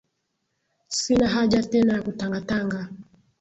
Sina haja tena ya kutanga-tanga,